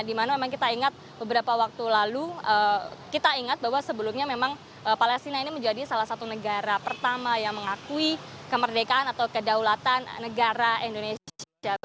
dimana memang kita ingat beberapa waktu lalu kita ingat bahwa sebelumnya memang palestina ini menjadi salah satu negara pertama yang mengakui kemerdekaan atau kedaulatan negara indonesia